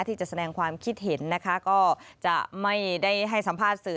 ที่จะแสดงความคิดเห็นนะคะก็จะไม่ได้ให้สัมภาษณ์สื่อ